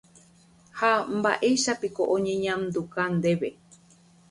Ha mba'éichapiko oñeñanduka ndéve.